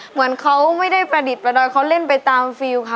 เหมือนเขาไม่ได้ประดิษฐ์ประดอยเขาเล่นไปตามฟิลล์ค่ะ